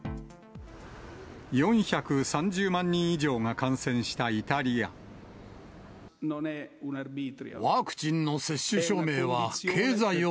４３０万人以上が感染したイワクチンの接種証明は経済を